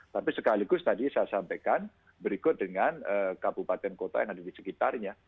tapi sekaligus tadi saya sampaikan berikut dengan kabupaten kota yang ada di sekitarnya